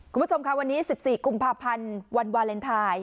คุณผู้ชมค่ะวันนี้๑๔กุมภาพันธ์วันวาเลนไทย